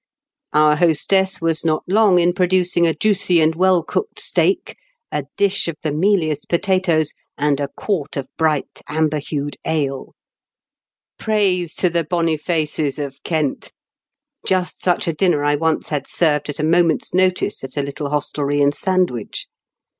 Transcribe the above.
Our hostess was not long in producing a 136 IN KENT WITH CEABLE8 DICKENS. juicy and well cooked steak, a dish of the mealiest potatoes, and a quart of bright amber hued ale. Praise to the Bonifaces of Kent ! Just such a dinner I once had served at a moment's notice, at a little hostelry in Sand wich.